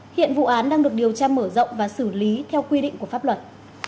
hiện vụ án đang được điều tra mở rộng và xử lý theo quy định của pháp luật